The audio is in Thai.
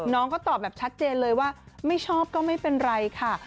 น้องก็ตอบแบบชัดเจนเลยว่าไม่ชอบก็ไม่เป็นไรค่ะ